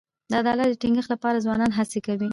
د عدالت د ټینګښت لپاره ځوانان هڅي کوي.